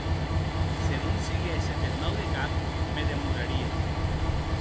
Se non siguesse peth mau de cap, me demoraria.